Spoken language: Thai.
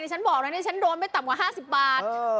ฉันบอกแล้วนี่ฉันโดนไม่ต่ำกว่า๕๐บาท